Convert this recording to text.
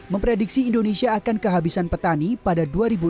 memprediksi indonesia akan kehabisan petani pada dua ribu dua puluh